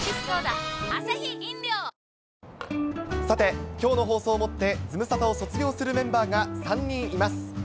さて、きょうの放送をもってズムサタを卒業するメンバーが３人います。